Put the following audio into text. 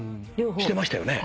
してましたよね。